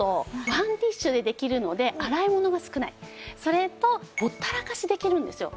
ワンディッシュでできるので洗い物が少ないそれとほったらかしできるんですよ。